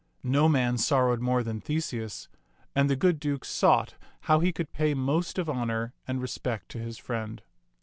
No man sorrowed more than Theseus ; and the good Duke sought how he could pay most of honor and respect to his friend.